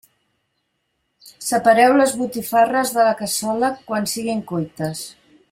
Separeu les botifarres de la cassola, quan siguin cuites.